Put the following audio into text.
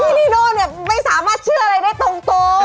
พี่นิโน่ไม่สามารถเชื่ออะไรได้ตรง